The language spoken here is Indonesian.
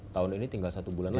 tahun ini tinggal satu bulan lagi